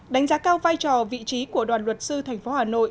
đánh giá cao vai trò vị trí của đoàn luật sư thành phố hà nội